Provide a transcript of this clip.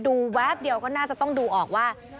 แวบเดียวก็น่าจะต้องดูออกว่า